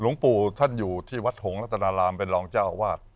หลวงปู่ท่านอยู่ที่วัดหงษนารามเป็นรองเจ้าอาวาส